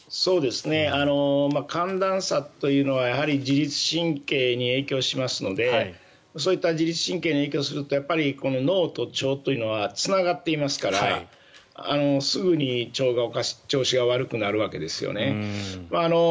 寒暖差というのは自律神経に影響しますのでそういった自律神経に影響すると脳と腸というのはつながっていますからすぐに調子が悪くなるわけです。